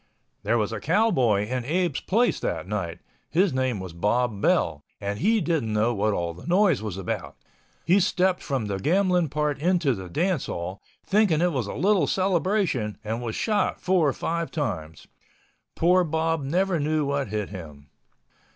There was a cowboy in Abe's place that night. His name was Bob Bell and he didn't know what all the noise was about. He stepped from the gambling part into the dance hall, thinking it was a little celebration and was shot four or five times. Poor Bob never knew what hit him.